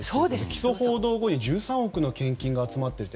起訴報道後に１３億の献金が集まっていると。